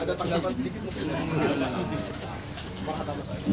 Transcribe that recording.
ada tanggapan sedikit mungkin